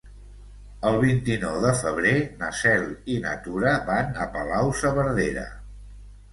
El vint-i-nou de febrer na Cel i na Tura van a Palau-saverdera.